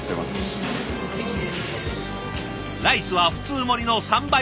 ライスは普通盛りの３杯分。